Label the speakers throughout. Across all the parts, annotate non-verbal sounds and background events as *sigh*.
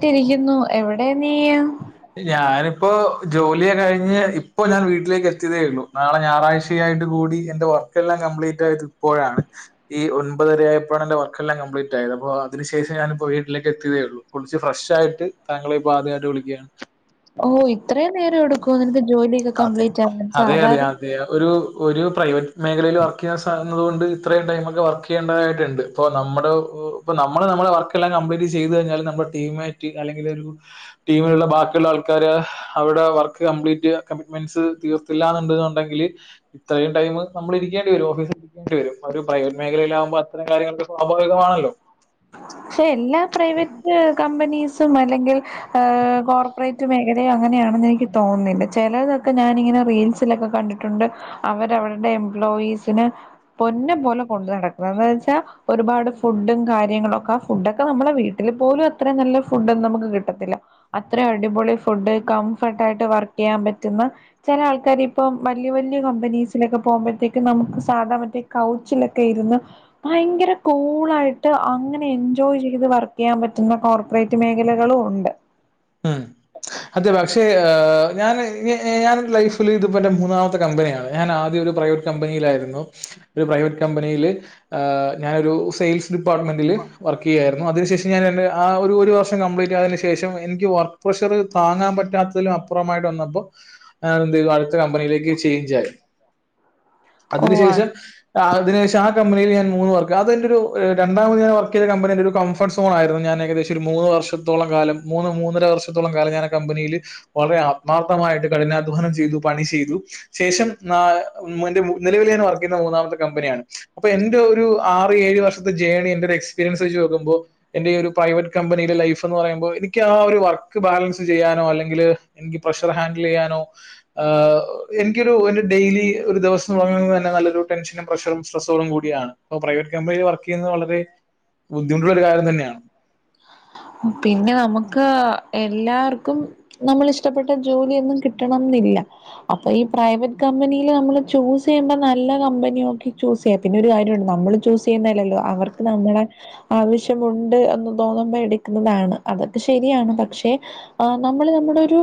Speaker 1: തിരിക്കുന്നു എവടെ നീയ്
Speaker 2: ഞാനിപ്പോ ജോലിയ കഴിഞ്ഞ് ഇപ്പൊ ഞാൻ വീട്ടിലേക്ക് എത്തിയതേയൊള്ളൂ നാളെ ഞായറാഴ്ച *unintelligible* ആയിട്ട് കൂടി എന്റെ വർക്കെല്ലാം കംപ്ലീറ്റ് ആയത് ഇപ്പോഴാണ്. ഈ ഒൻപതര ആയപ്പോഴാണ് എന്റെ വർക്കെല്ലാം കപ്ലീറ്റ് ആയത് അപ്പോ അതിനു ശേഷം ഞാനിപ്പോ വീട്ടിലേക്ക് എത്തിയതേള്ളൂ. കുളിച്ച് ഫ്രഷ് ആയിട്ട് താങ്കളെപ്പോ ആദ്യയിട്ട് വിളിക്കുകയാണ്
Speaker 1: ഓഹ് ഇത്രയും നേരടുക്കൊ നിങ്ങക്ക് ജോലിയൊക്കെ കംപ്ലീറ്റാൻ സാധാരണ
Speaker 2: അതേ ഒരു ഒരു പ്രൈവറ്റ് മേഖലയിൽ വർക്ക് ചെയ്യാൻ സാധ്യതള്ളത് കൊണ്ട് ഇത്രയും ടൈമൊക്കെ വർക്കയ്യേണ്ടതായിട്ടുണ്ട്. ഇപ്പൊ നമ്മള് ഇപ്പൊ നമ്മള് നമ്മുടെ വർക്കെല്ലാം കംപ്ലീറ്റ് ചെയ്തു കഴിഞ്ഞാല് നമ്മുടെ ടീംമേറ്റ് അല്ലെങ്കിൽ ഒരു ടീമിലുള്ള ബാക്കിയുള്ള ആൾക്കാര് അവിടെ വർക്ക് കംപ്ലീറ്റ് കമ്മിറ്റ്മെന്റ്സ് തീർത്തില്ലന്നുണ്ട്ണ്ടെങ്കില് ഇത്രയും ടൈം നമ്മൾ ഇരിക്കേണ്ടി വരും ഓഫീ ണ്ടിവരും ഒരു പ്രൈവറ്റ് മേഖലയിലാവുമ്പോ അത്രയും കാര്യങ്ങളൊക്കെ സ്വാഭാവികമാണല്ലോ.
Speaker 1: ക്ഷെ എല്ലാ പ്രൈവറ്റ് കമ്പനീസും അല്ലെങ്കിൽ ഏഹ് കോർപ്പറേ മറ്റുമേഖലെ അങ്ങനെയാണെന്ന് എനിക്ക് തോന്നുന്നില്ല ചിലതൊക്കെ ഞാനിങ്ങനെ റീൽസിലൊക്കെ കണ്ടിട്ടുണ്ട് അവരവരുടെ എംപ്ലോയീസിന് പൊന്നും പോലെ കൊണ്ടു നടക്കുന്നത് എന്താന്നച്ചാൽ ഒരുപാട് ഫുഡും കാര്യങ്ങളൊക്ക ഫുഡ്ഒക്കെ നമ്മള വീട്ടിൽ പോലും അത്രേ നല്ല ഫുഡൊന്നും നമുക്ക് കിട്ടത്തില്ല. അത്ര അടിപൊളി ഫുഡ് കംഫർട്ട് ആയിട്ട് വർക്കെയ്യാൻ പറ്റുന്ന ചെല ആൾക്കാർ ഇപ്പം വല്യ വല്യ കമ്പനീസിലൊക്കെ പോകുമ്പോഴത്തേക്കും നമുക്ക് സാധാ മറ്റേ കൗച്ചിലൊക്കെ ഇരുന്ന് ഭയങ്കര കൂളായിട്ട് അങ്ങനെ എ ജോയ് ചെയ്ത് വർക്ക് ചെയ്യാൻ പറ്റുന്ന കോർപ്പറേറ്റ് മേഖലകളും ഉണ്ട്
Speaker 2: ആഹ് അതെ പക്ഷേ ഞാൻ ഞാൻ എൻ്റെ ലൈഫിൽ ഇത്പ്പെന്റെ മൂന്നാമത്തെ കമ്പനിയാണ് ഞാൻ ആദ്യരു പ്രൈവറ്റ് കമ്പനിയിലായിരുന്നു ഒരു പ്രൈവറ്റ് കമ്പനിൽ ആഹ് ഞാനൊരു സെയിൽസ് ഡിപാർട്ട്മെന്റിൽ വർക്ക് ചെയ്യയായിരുന്നു അതിനു ശേഷം ഞാൻ ആ ഒരു വർഷം കംപ്ലീറ്റായ ശേ ഷം എനിക്ക് വർക്ക് പ്രഷർ താങ്ങാൻ പറ്റാത്തതിലും അപ്പുറമായിട്ട് വന്നപ്പോ ആ എന്ത് ചെയ്തു അടുത്ത കമ്പനിയിലേക്ക് ചേഞ്ച് ആയി അതിനു
Speaker 1: ഓ
Speaker 2: ശേഷം ആ അതിനേഷ ആ കമ്പനിൽ ഞാൻ മൂന്ന് വർക്ക് അത് എൻ്റെരു രണ്ടാമത് ഞാ വർക്ക് ചെയ്ത കമ്പനിന്റെരു ക ഫർട്ട്സോൺ ആയിരുന്നു ഞാൻ ഏകദേശരു മൂന്ന് വർഷത്തോളം കാലം മൂന്ന് മൂന്നര വർഷത്തോളം കാലം ഞാൻ ആ കമ്പനിൽ വളരെ ആത്മാർത്ഥമായിട്ട് കഠിനാധ്വാനം ചെയ്തു പണി ചെയ്തു ശേഷം ആ ന്റെ നിലവിൽ ഞാൻ വർക്ക് ചെയ്യുന്ന മൂന്നാമത്തെ കമ്പനിയാണ്. അപ്പൊ എന്റെ ഒരു ആറ് ഏഴ് വർഷത്തെ ജേണി എന്റൊരു എക്സ്പീരിയൻസ് വെച്ച് നോക്കുമ്പോ? എന്റെ ഒരു പ്രൈവറ്റ് കമ്പനിയിലെ ലൈഫ് എന്ന് പറയുമ്പോൾ എനി നികാ ആ ഒരു വർക്ക് ബാലൻസ് ചെയ്യാനോ അല്ലെങ്കിൽ എനിക്ക് പ്രഷർ ഹാൻഡിൽ ചെയ്യാനോ ആഹ് എനിക്കൊരു ഒരു ഡെയ്ലി ഒരു ദിവസം തുടങ്ങുന്നന്നെ നല്ലൊരു ടെൻഷനും പ്രഷറും സ്ട്രെസ്സോഡും കൂടിയാണ് ഓ പ്രൈവറ്റ് കമ്പനിൽ വർക്ക് ചെയ്യുന്നത് വളരെ ബുദ്ധിമുട്ട്ള്ളൊരു കാര്യം തന്നെയാണ്.
Speaker 1: പിന്നെ നമുക്ക് എല്ലാർക്കും നമ്മളിഷ്ടപ്പെട്ട ജോലിയൊന്നും കിട്ടണംന്നില്ല. അപ്പൊ ഈ പ്രൈവറ്റ് കമ്പനീല് നമ്മള് ചൂസ് ചെയ്യുമ്പോ നല്ല കമ്പനി നോക്കി ചൂസ് പിന്നെ ഒരു കാര്യണ്ട് നമ്മള് ചൂസ് ചെയ്യുന്നല്ലല്ലോ അവർക്ക് നമ്മളെ ആവശ്യമുണ്ട് എന്ന് തോന്നുമ്പോ എട് ക്കുന്നതാണ്. അതൊക്കെ ശരിയാണ് പക്ഷെ ആ നമ്മള് നമ്മടെ ഒരു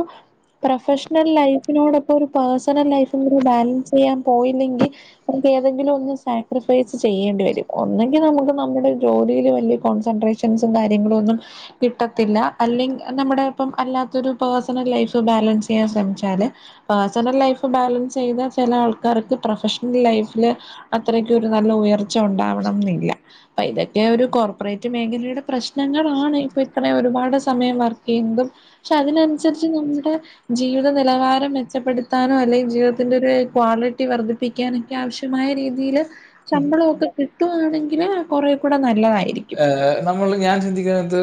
Speaker 1: പ്രൊഫെഷെണൽ ലൈഫിനോടൊപ്പം ഒരു പേഴ്സണൽ ലൈഫും കൂടെ ബാലൻസ് ചെയ്യാൻ പോയില്ലെങ്കി നമ്ക്ക് ഏതെങ്കിലൊന്ന് സാക്രിഫൈസ് ചെയ്യേണ്ടി വരും ഒന്നെങ്കി നമുക്ക് നമ്മുടെ ജോലിൽ വല്യ കോൺസെൻട്രേഷ ഷൻസും കാര്യങ്ങളു ഒന്നും കിട്ടത്തില്ല. അല്ലെങ്ക നമ്മുടെ ഇപ്പം അല്ലാതൊരു പേഴ്സണൽ ലൈഫ് ബാലൻസ് ചെയ്യാൻ ശ്രമിച്ചാല് പേഴ്സണൽ ലൈഫ് ബാലൻസ് ചെയ്ത ചെല ആൾക്കാർക്ക് പ്രൊഫഷണൽ ലൈഫില് അത്രെയ്ക്കൊരു നല്ല ഉയർച്ച ഉണ്ടാവണം ന്നില്ല പ്പ ഇതൊക്കെ ഒരു കോർപ്പറേറ്റ് മേഖെലെടെ പ്രശ്നങ്ങളാണ് ഇപ്പ ഇത്രേം ഒരുപാട് സമയം വർക്ക് ചെയ്ന്നതും ക്ഷേ അതിനൻസരിച്ച് നമ്മുടെ ജീവിത നിലവാരം മെച്ചപ്പെടുത്താനോ അല്ലെങ്കി ജീവിതത്തിന്റൊര് ക്വാളിറ്റി വർദ്ധി ഠിക്കാനൊക്കെ ആവശ്യമായ രീതിയില് ശമ്പളൊ ഒക്കെ കിട്ടുവാണെങ്കില് കൊറേ കൂടെ നല്ലതായി.
Speaker 2: ഏഹ് നമ്മള് ഞാൻ ചിന്തിക്ന്നത്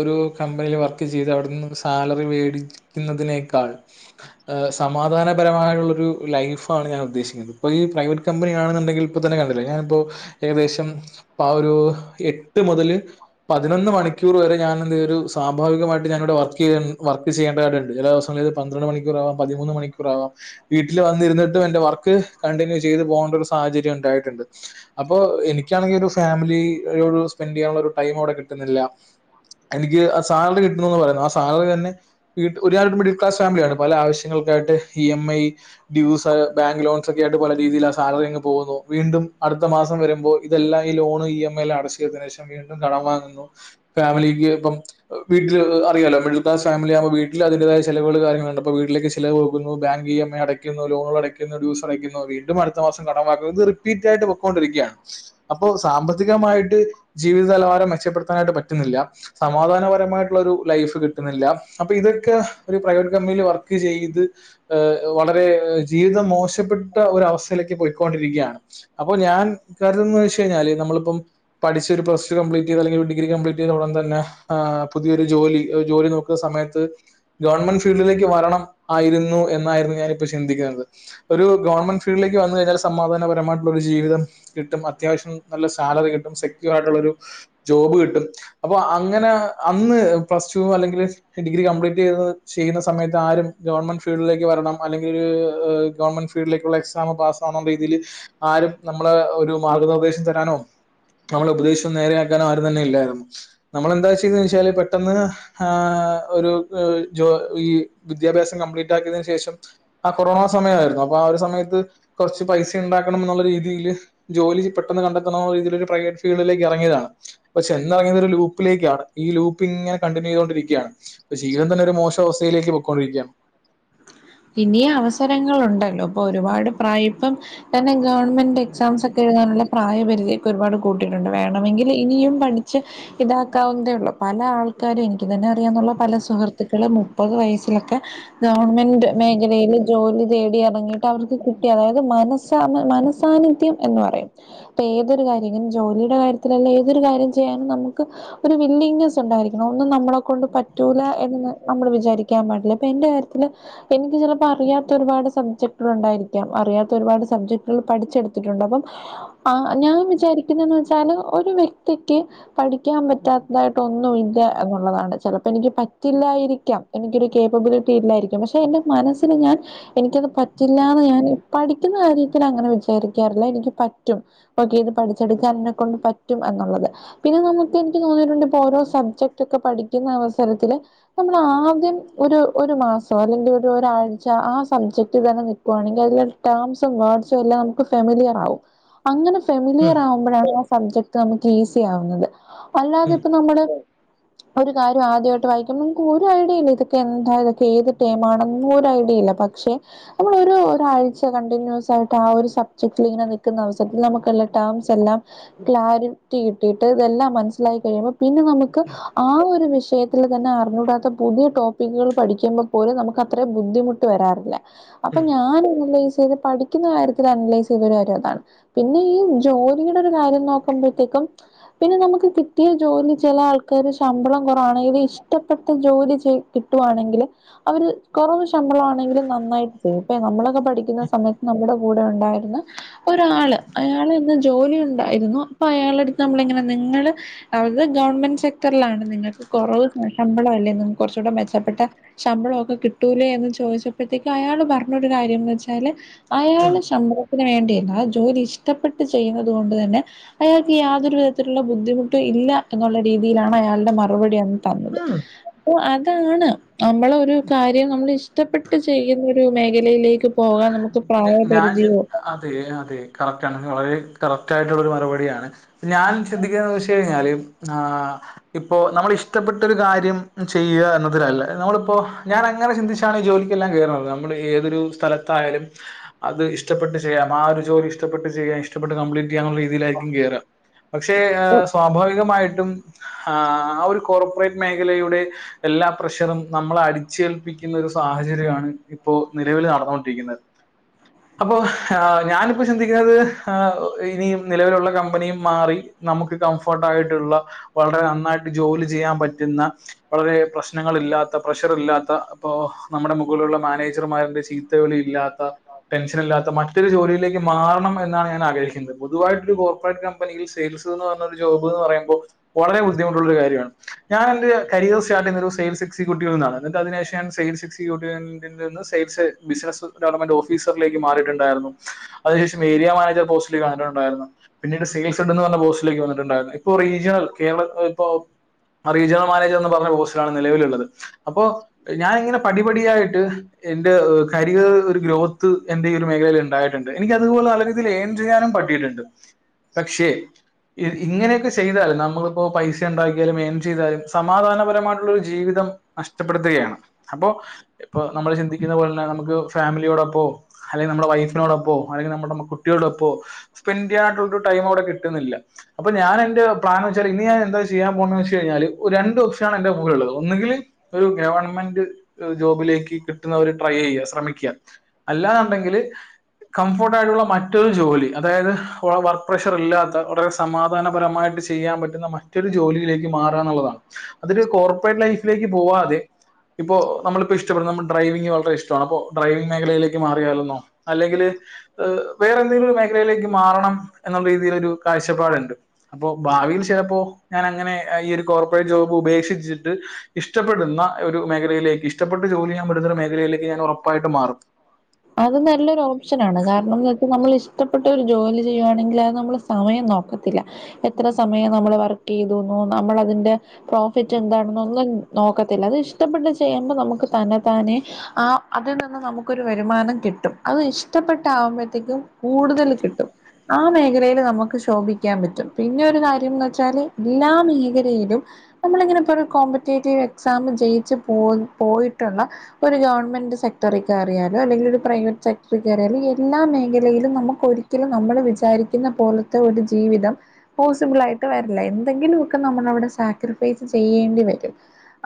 Speaker 2: ഒരു കമ്പനിയിൽ വർക്ക് ചെയ്ത് അവിടെന്ന് സാലറി മേടി എന്നതിനേക്കാൾ ഹ് സമാധാനപരമായിള്ളൊരു ലൈഫാണ് ഞാൻ ഉദ്ദേശിക്ക്ണ് ഇപ്പൊ ഈ പ്രൈവറ്റ് കമ്പനിയാണെന്ന്ണ്ടെങ്കിൽ ഇപ്പം തന്നെ കണ്ടില്ലേ ഞാനിപ്പോ ഏകദേശം ആഹ് ഒരു എട്ട് മുതല് പതിനൊന്ന് മണിക്കൂർ വരെ ഞാൻ ന്തായ്തോരു സാഭാവികമായിട്ട് ഞാനിവിടെ വർക്കെയ് വർക്ക് ചെയ്യേണ്ടതായിട്ടുണ്ട്. അതായത് പന്ത്രണ്ട് മണിക്കൂറാവാം പതിമൂന്ന് മണിക്കൂറാവാം. വീട്ടിൽ വന്നിരുന്നിട്ടും എന്റെ വർക്ക് കണ്ടിന്യൂ ചെയ്ത് പോകേണ്ട ഒരു സാഹചര്യം ണ്ടായിട്ടുണ്ട് അപ്പൊ എനിക്കാണെങ്കി ഒരു ഫാമിലീ യോടുള്ള സ്പെൻഡ് യ്യാനുള്ള ഒരു ടൈം അവിടെ കിട്ടുന്നില്ല എനിക്ക് ആ സാലറി കിട്ടണൊന്നള്ളു ആ സാലറി തന്നെ ഒര് ആള്ണ്ട് മിഡിൽ ക്ലാസ് ഫാമില്യാണ് പല ആവശ്യങ്ങൾക്കായിട്ട് E M I dues bank ലോൺസൊക്കെ ആയിട്ട് പല രീതിയിലാ സാലറി അങ്ങ് പോകുന്നു വീണ്ടും അട്ത്ത മാസം വരുമ്പോ ഇതെല്ലാം ഈ ലോണ് ഇ എം ഐ എല്ലാം അടച്ച് തീർത്തേനേഷം വീണ്ടും കടം വാങ്ങുന്നു ഫാമിലിക്ക് ഇപ്പം വീട്ടില് അറിയാലോ മിഡിൽക്ലാസ് ഫാമിലി ആവുമ്പോ വീട്ടില് അതിൻ്റേതായ ചെലവ്കള് കാര്യങ്ങള്ണ്ട് അപ്പൊ വീട്ടിലേക്ക് ഷിഫ് ചിലവാകുന്നു ബാങ്ക് ഇ എം ഐ അടക്കുന്നു ലോണുകളടക്കുന്നു ഡ്യൂസ്ടക്കുന്നു വീണ്ടും അടുത്ത മാസം കടം വാങ്ങു ഇത് റ് റിപ്പീറ്റായിട്ട് പോക്കോണ്ടിരിക്കാണ് അപ്പൊ സാമ്പ ത്തികമായിട്ട് ജീവിത നെലവാരം മെച്ചപ്പെടുത്താനായിട്ട് പറ്റ്ന്നില്ല. സമാധാനപരമായിട്ട് ള്ളൊരു ലൈഫ് കിട്ടുന്നില്ല. അപ്പൊ ഇതൊക്കെ ഒരു പ്രൈവറ്റ് കമ്പനീല് വർക്ക് ചെയ്ത് ഏഹ് വളരേ ജീവിതം മോശപ്പെട്ട ഒരവസ്ഥയിലേക്ക് പോയിക്കോണ്ടിരിക്യായാണ്. അപ്പൊ ഞാൻ കരുതുന്നത് വെച്ചെയ്ഞ്ഞാല് നമ്മളിപ്പം പഠിച്ച് ഒരു പ്ലസ് റ്റൂ കംപ്ലീറ്റെയ്ത് അല്ലെങ്കി ഒരു ഡിഗ്രി കംപ്ലീറ്റെയ്തെ ഉടൻ തന്നെ ആഹ് പുതിയൊരു ജോലി ഏഹ് ജോലി നോ സമയത്ത് ഗവൺമെന്റ് ഫീൽഡിലേക്ക് വരണം ആയിരുന്നു എന്നായിരുന്നു ഞാനിപ്പോ ചിന്തിക്കുന്നത് ഒരു ഗവൺമെന്റ് ഫീൽഡിലേക്ക് വന്ന് കഴിഞ്ഞാൽ സമാധാനപരമായിട്ടുള്ളൊരു ജീവിതം കിട്ടും അത്യാവശ്യം നല്ല സാ സാലറി കിട്ടും സെക്യൂർ ആയിട്ടുള്ളൊരു ജോബ് കിട്ടും. അപ്പൊ അങ്ങനെ അന്ന് പ്ലസ് ടു അല്ലെങ്കില് ഡിഗ്രി കംപ്ലീറ്റ് ചെയ്ത് ചെയ്യുന്ന സമയത്ത് ആരും ഗവൺമെന്റ് ഫീൽഡിലേക്ക് വരണം അല്ലെങ്കില് ഗവൺമെന്റ് ഫീ ഫീൽഡിലേക്കുള്ള എക്സാമ് പാസാവ്ണ രീതിയില് ആരും നമ്മളെ ഒരു മാർഗ്ഗനിർദ്ദേശം തരാനോ നമ്മളെ ഉപദേശിച്ച് നേരെയാക്കാനും ആരും തന്നെ ഇല്ലായ്ര്ന്നു നമ്മളെന്താ ചെയ്തേച്ചാല് പെട്ടെന്ന് ആഹ് ഒരു ഓ ജോ ഈ വിദ്യാഭ്യാസം കംപ്ലീറ്റ് ആക്കിയതിന് ശേഷം ആ കൊറോണ സമയായിരുന്നു. അപ്പൊ ആ ഒരു സമയത്ത് കൊറച്ച് പൈസ ഇണ്ടാക്കണംന്നുള്ള രീതിയില് ജോലി പെട്ടെന്ന് കണ്ടെത്തണംന്ന്ള്ള രീതി പ്രൈവറ്റ് ഫീൽഡിലേക്ക് എറങ്ങിയതാണ് പ്പ ചെന്നെറങ്ങിയതൊരു ലൂപ്പിലേക്കാണ് ഈ ലൂപ്പ്ങ്ങനെ കണ്ടിന്യൂയ്തൊണ്ടിരിക്കും. യാ പ്പ ജീവിതം തന്നെ ഒരു മോശം അവസ്ഥയിലേക്ക് പോക്കൊണ്ടിരിക്ക് യാ
Speaker 1: ഇനീയവസരങ്ങളൊണ്ടല്ലോ ഇപ്പൊ ഒരുപാട് പ്രായപ്പം തന്നെ ഗവൺമെന്റ് എക്സാംസ് ഒക്കെ എഴുതാനുള്ള പ്രായപരിധിയൊക്കെ ഒരുപാട് കൂട്ടീട്ടുണ്ട് വേണമെങ്കില് ഇനിയും പഠിച്ച്- ഇതാക്കാവുന്നതേ ഉള്ളൂ. പലാൾക്കാരും എനിക്ക് തന്നെ അറിയാന്നുള്ള പല സുഹൃത്തുക്കള് മുപ്പത് വയസ്സിലൊക്കെ- ഗവൺമെന്റ് മേഖലയില് ജോലി തേടി എറങ്ങിയിട്ട് അവർക്ക് കിട്ടി അതായത് മനസ്സാ മനസാന്നിധ്യം എന്ന് പറയും ഇപ്പ ഏതൊരു കാര്യവും ജോലിയുടെ കാര്യത്തിലല്ല ഏതൊരു കാര്യം ചെയ്യാനും നമുക്ക് ഒരു വില്ലിങ്ങ്നസ് ഒണ്ടായിരിക്കണം ഒന്നും നമ്മളോ കൊണ്ട് പറ്റൂല എന്ന് നമ്മള് വിചാരിക്കാൻ പാടില്ല അപ്പൊ എന്റെ കാര്യത്തില് കു എനിക്ക് ചെലപ്പോ അറിയാത്തൊരുപാട് സബ്ജക്ടുകളൊണ്ടായിരിക്കാം അറിയാത്ത ഒരുപാട് സബ്ജക്റ്റുകൾ പഠിച്ചെടുത്തിട്ടുണ്ട് അപ്പം ആഹ് ഞാൻ വിചാരിക്കുന്നേന്ന് വെച്ചാല് ഒരു വ്യക്തിക്ക് പഠിക്കാംപറ്റാത്തതായിട്ട് ഒന്നുവില്ല എന്നൊള്ളതാണ് ചെലപ്പോ എനിക്ക് പറ്റില്ലായിരിക്കാം. എനിക്കൊരു കേപ്പബിലിറ്റി ഇല്ലായിരിക്കും പക്ഷെ എന്റെ മനസ്സിന് ഞാൻ എനിക്കത് പറ്റില്ലാന്ന് ഞാൻ പഠിക്കുന്ന കാര്യത്തിലങ്ങനെ വിചാരിക്കാറില്ല എനിക്ക് പറ്റും. ഓക്കെ ഇത് പഠിച്ചെടുക്കാന് ന്നെ കൊണ്ട് പറ്റും എന്നൊള്ളത്. പിന്നെ നമുക്ക് എനിക്ക് തോന്നീട്ടുണ്ട് ഇപ്പോരോ സബ്ജക്റ്റൊക്കെ പഠിക്കുന്നവസരത്തില് നമ്മൾ ആദ്യം ഒരു ഒരു മാസം ഒരു ഒരാഴ്ച ആ സബ്ജക്ട് തന്നെ നിക്കുവാണെങ്കി അതിലുള്ള ടേംസും വേർഡ്സും എല്ലാം മുക്ക് ഫെമിലിയയാവും അങ്ങന
Speaker 2: ഉം,
Speaker 1: ഫെമിലിയറാവുമ്പോഴാണ് ആ സബ്ജക്ട് നമുക്ക് ഈസി ആവുന്നത് അല്ലാതെ
Speaker 2: ഉം,
Speaker 1: ഇപ്പൊ നമ്മള്- ഒരു കാര്യവാദ്യവായിട്ട് വായിക്കുമ്പോ നമുക്കൊരു ഐഡിയേല്ല ഇതൊക്കെന്ത ഇതൊക്കെ ഏത് ടെമാണന്നോരൈഡിയേല്ല പക്ഷെ അമ്മളൊരു ഒരാഴ്ച കണ്ടിന്യൂസായിട്ട് ആ ഒരു സബ്ജക്റ്റ്ല്ങ്ങനെ നിക്കുന്നവസരത്തിൽ നമുക്കുള്ള ടേംസെല്ലാം ക്ലാരിറ്റി കിട്ടിയിട്ട് ഇതെല്ലാം മനസ്സിലായി കഴിയുമ്പോ- പിന്നെ നമുക്ക്
Speaker 2: ഉം,
Speaker 1: ആ ഒരു വിഷയത്തില് തന്നെ അറിഞ്ഞൂടാത്ത പുതിയ ടോപ്പിക്കുകൾ പഠിക്കുമ്പോൾ- പോലും നമുക്കത്രെ ബുദ്ധിമുട്ട് വരാറില്ല അപ്പൊ
Speaker 2: ഉം,
Speaker 1: ഞാന് *unintelligible* - ക്കുന്ന കാര്യത്തിൽ അനലൈസ് ചെയ്ത ഒരു കാര്യവതാണ് പിന്നെ ഈ ജോലിയുടൊരു കാര്യം നോക്കുമ്പഴത്തേക്കും- പിന്നെ നമുക്ക് കിട്ടിയ ജോലി ചെലാൾക്കാര് ശമ്പളം കൊറവാണ് ഇത് ഇഷ്ടപ്പെട്ട ജോലി ചെയ് കിട്ടുവാണെങ്കില് അവര് കുറവു ശമ്പളം ആണെങ്കിലും നന്നായിട്ട് അപ്പ നമ്മളൊക്കെ പഠിക്കുന്ന സമയത്ത് നമ്മുടെ കൂടെ ഉണ്ടായിരുന്ന ഒരാള് അയാള്ന്ന് ജോലി ഉണ്ടായിരുന്നു അപ്പൊ അയാളടുത്ത് നമ്മളിങ്ങനെ നിങ്ങള് അത് ഗവൺമെന്റ് സെക്ടറിലാണ് നിങ്ങൾക്ക് കൊറവ് ശമ്പളവല്ലേ നിങ്ക് കൊറച്ചൂടെ മെച്ചപ്പെട്ട ശമ്പളോക്കെ കിട്ടൂലേ എന്ന് ചോദിച്ചപ്പോഴത്തേക്ക് അയാള് പറഞ്ഞൊരു കാര്യംന്ന് വെച്ചാല്
Speaker 2: ഉം,
Speaker 1: അയാള് ശമ്പളത്തിന് വേണ്ടിയല്ല ആ ജോലി ഇഷ്ടപ്പെട്ട് ചെയ്യുന്നത് കൊണ്ട് തന്നെ അയാൾക്ക് യാതൊരു വിധത്തിലുള്ള ബുദ്ധിമുട്ടും ഇല്ല എന്നൊള്ള രീതിയിലാണ് അയാൾടെ മറുപടി. തന്നത്
Speaker 2: ഉം.
Speaker 1: അപ്പോ അതാണ് നമ്മള് ഒരു കാര്യം നമ്മളിഷ്ടപ്പെട്ട് ചെയ്യുന്നൊരു മേഖലയിലേക്ക് പോകാൻ നമുക്ക്
Speaker 2: ഞാൻ
Speaker 1: പ്രായപരിധി
Speaker 2: അതെ അതെ കറക്റ്റ് ആണ് വളരെ കറക്റ്റ് ആയിട്ടുള്ളോരു മറുപടിയാണ്. ഞാൻ ചിന്തിക്കേന്ന് വെച്ച് കഴിഞ്ഞാല് ആഹ് ഇപ്പോ നമ്മള് ഇഷ്ടപ്പെട്ടൊ ഒരു കാര്യം ചെയ്യുക എന്നതിലല്ല നമ്മളിപ്പോ ഞാൻ അങ്ങനെ ചിന്തിച്ചു ട്ടാണ് ജോലിക്കെല്ലാം കേറുന്നത് നമ്മള് ഏതൊരു സ്ഥലത്തായാലും അത് ഇഷ്ടപ്പെട്ട് ചെയ്യാം ആ ഒരു ജോലി ഇഷ്ടപ്പെട്ട് ചെയ്യാം ഇഷ്ടപ്പെട്ട് കംപ്ലീറ്റ് ചെയ്യാന്നൊള്ള രീതിയിലായിരിക്കും കേറാ
Speaker 1: *unintelligible*
Speaker 2: പക്ഷേ ആ സ്വാഭാവികമായിട്ടും ആ ഒരു കോർപ്പറേറ്റ് മേഖലയുടെ എല്ലാ പ്രഷറും നമ്മളെ അടിച്ചേൽപ്പിക്കുന്നൊരു സാഹചര്യാണ് ഇപ്പോ നിലവില് നടന്നോണ്ടിരിക്കുന്നത്. അപ്പൊ ഞാനിപ്പോ ചിന്തിക്കുന്നത് ഇനിയും നിലവിലുള്ള കമ്പനിയും മാറി- നമുക്ക് കംഫോർട്ടായിട്ടുള്ള വളരെ നന്നായിട്ട് ജോലി ചെയ്യാൻ പറ്റുന്ന- വളരേ പ്രശ്നങ്ങളില്ലാത്ത പ്രഷറില്ലാത്ത ഇപ്പോ നമ്മുടെ മുകളിലുള്ള മാനേജർമാരുടെ ചീത്തവിളി ഇല്ലാ- *unintelligible* ടെൻഷന്ല്ലാത്ത മറ്റൊരു ജോലിയിലേക്ക് മാറണം എന്നാണ് ഞാനാഗ്രഹിക്കുന്നത് പൊതുവായിട്ടൊരു കോർപ്പറേറ്റ് കമ്പി സെയിൽസ് എന്ന് പറഞ്ഞ ജോബ് എന്ന് പറയുമ്പോ വളരെ ബുദ്ധിമുട്ടുള്ളൊരു കാര്യണ്. ഞാനെന്തെയ കരിയർ സ്റ്റാർട്ടെയുന്നൊരു സെയിൽ എക്സിക്യൂട്ടിവ് ന്നാണ് ന്നട്ട് അതിനേശം സെയിൽ എക്സിക്യൂട്ടീവ് എന്തെന്ന് സെയിൽസ് ബിസിനസ്സ്. ഡെവലപ്മെന്റ് ഓഫീസറിലേക്ക് മാറിയിട്ടുണ്ടായിരുന്നു അതിനേശം ഏരിയ മാനേജർ പോസ്റ്റില് കണ്ടിട്ടുണ്ടായിരുന്നു. പിന്നീട് സെയിൽസ് എഡ് എന്ന് പറഞ്ഞ പോസ്റ്റിലേക്ക് വന്നിട്ടുണ്ടായിരുന്നു ഇപ്പൊ റീജിയണൽ കേരളത്തിൽ ഇപ്പോ ആറീജണൽ മാനേജർ ന്ന് പറഞ്ഞ പോസ്റ്റിലാണ് നിലവിലുള്ളത്. അപ്പോ ഞാനിങ്ങനെ പടിപടിയായിട്ട് എന്റെ അ് കരിയ- ഒരു ഗ്രോത്ത് എന്റെ ഒരു മേഖലയിൽ ഉണ്ടായിട്ടുണ്ട് എനിക്ക് അതുപോലെ നല്ല രീതിയിൽ ഏൺ ചെയ്യാനും പട്ടിയിട്ടുണ്ട്. പക്ഷേ. ഇങ്ങനെയൊക്കെ ചെയ്താല് നമ്മളിപ്പോ പൈസ ഇണ്ടാക്കിയാലും ഏൻ ചെയ്താലും സമാധാനപരമായിട്ടുള്ളൊരു ജീവിതം. നഷ്ടപ്പെടുത്തുകയാണ് അപ്പോ ഇപ്പോ നമ്മള് ചിന്തിക്കുന്ന പോലെ തന്നെ നമുക്ക്. ഫാമിലിയോടൊപ്പോ അല്ലെങ്കിൽ നമ്മുടെ വൈഫിനോടൊപ്പോ അല്ലെങ്കിൽ നമ്മുടെ കുട്ടിയോടൊപ്പോ. സ്പെൻഡ് ചെയ്യാനായിട്ടുള്ളരു ടൈം അവിടെ കിട്ടുന്നില്ല. അപ്പൊ ഞാ എൻന്റെ പ്ലാൻന്ന് വെച്ചല് ഇനി ഞാൻ എന്റെ പ്ലാൻ വെച്ചാൽ ചെയ്യൻ പോകന്ന് വെച്ച് കഴിഞ്ഞാല് രണ്ട് ഒപ്ഷനാണ് എന്റെ കൂടെള്ളത് ഒന്നുങ്കില്. ഒരു ഗവൺമെന്റ് അ് ജോബിലേക്ക് കിട്ടുന്നവര് ട്രൈ ചെയ്യ ശ്രമിക് അല്ലാന്നുണ്ടെങ്കിൽ. കംഫോർട്ട് ആയിട്ടുള്ള മറ്റൊരു ജോലി അതായത് വർക്ക് പ്രഷർ ഇല്ലാത്ത വളരെ. സമാധാനപരമായിട്ട് ചെയ്യാ പറ്റുന്ന മറ്റൊരു ജോലിയിലേക്ക് മാറാന്നുള്ളതാണ്. അതൊരു കോർപ്പറേറ്റ് ലൈഫിലേക്ക് പോവാതെ. ഇപ്പൊ നമ്മിപ്പോ ഇഷ്ടപ്പെടുന്നു നമ്മ ഡ്രൈവിംങ് വളരെ ഇഷ്ടമാണ് അപ്പോ. ഡ്രൈവിംഗ് മേഖലയിലേക്ക് മാറിയാലെന്നോ അല്ലെങ്കിൽ. വേറെ എന്തെങ്കിലും ഒരു മേഖലയിലേക്ക് മാറണം എന്നുള്ള രീതിയിലൊരു കാഴ്ചപ്പാടുണ്ട്. അപ്പൊ ഭാവിയിൽ ചെലപ്പോ ഞാൻ അങ്ങനെ അ ഈ ഒരു കോർപ്പറേറ്റ് ജോബ് ഉപേക്ഷിച്ചിട്ട്. ഇഷ്ടപ്പെടുന്ന ഒരു മേഖലയിലേക്ക് ഇഷ്ടപ്പെട്ട് ജോലി ചെയ്യാൻ പറ്റുന്ന ഒരു മേഖലയിലേക്ക് ഞാൻ ഉറപ്പായിട്ടും മാറും.
Speaker 1: അത് നല്ലൊരു ഓപ്ഷനാണ് കാരണംന്ന് വെച്ചാൽ നമ്മൾ ഇഷ്ടപ്പെട്ട ഒരു ജോലി ചെയ്യുയാണെങ്കിൽ അത് നമ്മ സമയം നോക്കത്തില്ല എത്ര സമയം നമ്മൾ വർക്ക് ചെയ്െത ന്നൊ നമ്മൾ അതിറെ പ്രോഫിറ്റ് എന്താണെന്നൊന്നും നോക്കത്തില്ല അത് ഇഷ്ടപ്പെട്ട് ചെയ്യുമ്പോ നമുക്ക് തന്നെ താനെ. ആ അതിൽ നിന്ന് നമുക്കൊരു. വരുമാനം കിട്ടും അത് ഇഷ്ടപ്പെട്ട് ആകുമ്പോത്തേക്കും കൂടുതൽ കിട്ടും. ആ മേഖലയില് നമുക്ക് ശോഭിക്കാൻ പറ്റും പിന്നെ ഒരു കാര്യംന്ന് വെച്ചാല് എല്ലാ മേഖലയിലും. നമ്മളിങ്ങനെ ഇപ്പോ ഒരു കോമ്പറ്റേറ്റീവ് എക്സാം ജയിച്ച് പോ പോയിട്ടുള്ള. ഒരു ഗവൺമെന്റ് സെക്ടറിക്കയറിയാ ത അല്ലെങ്കിൽ ഒരു പ്രൈവറ്റ് സെക്ടറി കേറ്യാല് ഈ എല്ലാ മേഖലയിലും നമുക്ക് ഒരിക്കലും നമ്മൾ വിചാരിക്കുന്ന പോല. മ ഒരു ജീവിതം. പോസിബിൾ ആയിട്ട് വരില്ല എന്തെങ്കിലുമൊക്കെ നമ്മളവിടെ സാക്രിഫൈസ് ചെയ്യേണ്ടി വരും.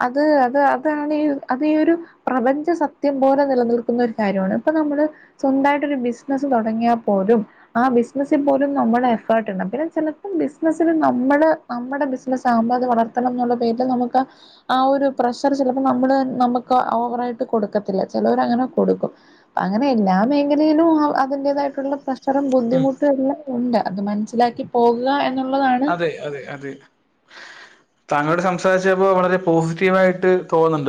Speaker 1: അത് അത് അതാണ് ഈ അത് ഈ ഒരു പ്രപഞ്ച സത്യം പോലെ നിലനിൽക്ക. ുന്ന ഒരു കാര്യമാണ് ഇപ്പൊ നമ്മള് സ്വന്തമായിട്ടൊരു ബിസിനസ് തുടങ്ങിയ ൽ പോലും. ആ ബിസിനസിൽ പോലും നമ്മുടെ എഫേർട്ട് ഉണ്ട പിന്നെ ചിലപ്പോ ബിസിനസില് നമ്മള്. നമ്മുടെ ബിസിനസ്സ് ആവുമ്പൊ അത് വളർത്തണം എന്നുള്ള പേരില് നമുക്ക്. ആ ഒരു പ്രഷർ ചിലപ്പോൾ നമ്മള് നമുക്ക് ഓവറായിട്ട് കൊടുക്കത്തില്ല ചിലവർ അങ്ങനെ. കൊടുക്കും അങ്ങനെ എല്ലാ മേഖലയിലും അ അതിന്റേതായിട്ടുള്ള പ്രഷറും
Speaker 2: ഉം.
Speaker 1: ബുദ്ധിമുട്ടും എല്ല. ഉണ്ട് അത് മനസ്സിലാക്കി പോകുക. എന്നുള്ളതാണ്
Speaker 2: അതെ അതെ അതെ. താങ്കളട് സംസാരിച്ചപ്പോ വളരെ പോസിറ്റീവ് ആയിട്ട് തോന്ന്ണ്ട്.